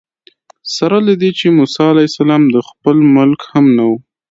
سره له دې چې موسی علیه السلام د خپل ښار ملک هم نه و.